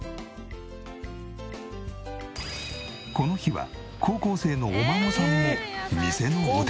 この日は高校生のお孫さんも店のお手伝い。